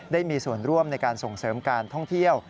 ได้มีส่วนร่วมในการส่งเสริมการท่องเที่ยว